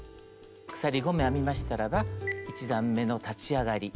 鎖５目編みましたらば１段めの立ち上がり